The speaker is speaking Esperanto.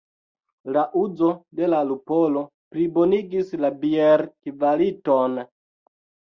La uzo de lupolo plibonigis la bierkvaliton.